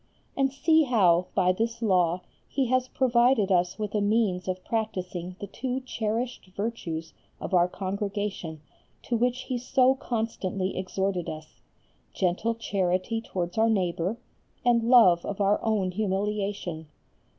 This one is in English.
And see how by this law he has provided us with a means of practising the two cherished virtues of our Congregation to which he so constantly exhorted us: gentle charity towards our neighbour, and love of our own humiliation.